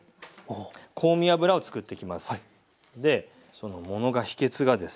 その物が秘けつがですね